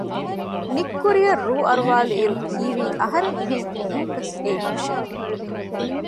ނިތްކުރިއަށް ރޫ އަރުވާލި އިރު ހީވީ އަހަރެން އެހެން އެހުންވެސް އެއީ ކުށެއް ހެން